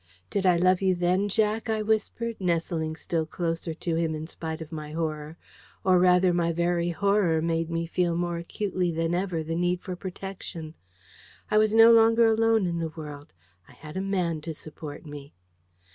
"Did I love you then, Jack?" I whispered, nestling still closer to him, in spite of my horror. Or rather, my very horror made me feel more acutely than ever the need for protection. I was no longer alone in the world. I had a man to support me.